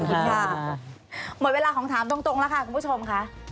หมดเวลาของถามตรงแล้วค่ะคุณผู้ชมค่ะ